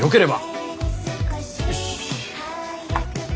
よし！